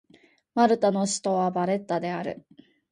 マルタの首都はバレッタである